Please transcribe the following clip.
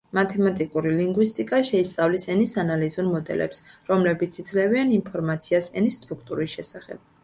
მათემატიკური ლინგვისტიკა შეისწავლის ენის ანალიზურ მოდელებს, რომლებიც იძლევიან ინფორმაციას ენის სტრუქტურის შესახებ.